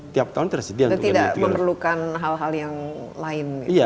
tidak memerlukan hal hal yang lain